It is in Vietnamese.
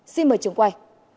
xin mời trường quay